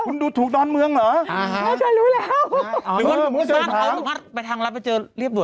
คุณดูถูกดอนเมืองหรอ